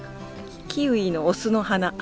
キウイのオスの花。